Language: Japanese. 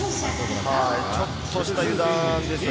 ちょっとした油断ですね。